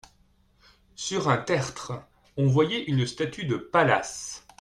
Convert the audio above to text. Sur un tertre on voyait une statue de Pallas.